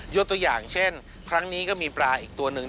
ตัวอย่างเช่นครั้งนี้ก็มีปลาอีกตัวหนึ่ง